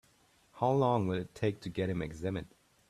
How long will it take to get him examined?